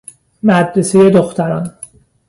مدرسه دختران